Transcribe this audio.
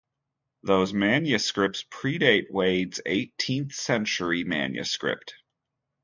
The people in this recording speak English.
Those manuscripts predate Wade's eighteenth-century manuscript.